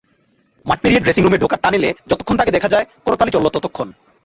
মাঠ পেরিয়ে ড্রেসিংরুমে ঢোকার টানেলে যতক্ষণ তাঁকে দেখা যায়, করতালি চলল ততক্ষণ।